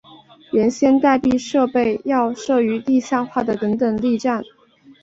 原先待避设备要设于地下化的等等力站。